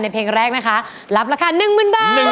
เพลงแรกนะคะรับราคา๑๐๐๐บาท